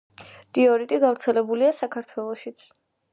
დიორიტი გავრცელებულია საქართველოშიც.